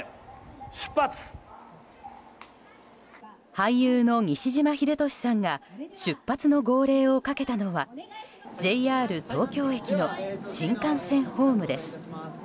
俳優の西島秀俊さんが出発の号令をかけたのはＪＲ東京駅の新幹線ホームです。